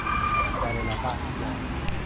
Fare la pacchia.